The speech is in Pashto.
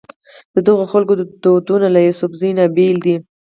ددغو خلکو دودونه له یوسفزو نه بېل دي.